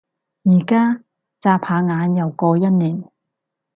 而家？眨下眼又過一年